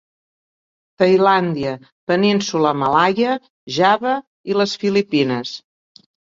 Tailàndia, Península Malaia, Java i les Filipines.